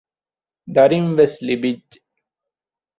ދަރިންވެސް ލިބިއްޖެ